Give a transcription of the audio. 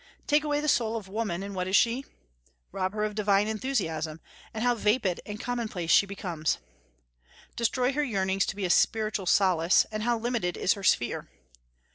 Take away the soul of woman, and what is she? Rob her of her divine enthusiasm, and how vapid and commonplace she becomes! Destroy her yearnings to be a spiritual solace, and how limited is her sphere!